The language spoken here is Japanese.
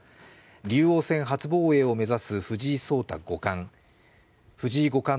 竜王戦初防衛を目指す藤井聡太五冠。